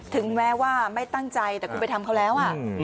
ถึงแม้ว่าไม่ตั้งใจแต่คุณไปทำเขาแล้ว